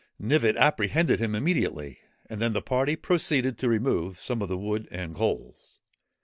Knivett apprehended him immediately, and then the party proceeded to remove some of the wood and coals.